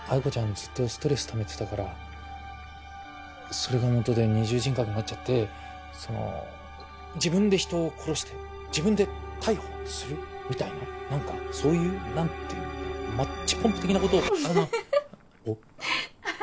ずっとストレスためてたからそれがもとで二重人格になっちゃってその自分で人を殺して自分で逮捕するみたいな何かそういう何ていうのマッチポンプ的なことおっ？